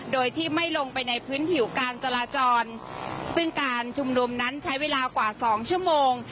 โดยที่ไม่ลงไปในพื้นผิวการจราจรซึ่งการชุมนุมนั้นใช้เวลากว่าสองชั่วโมง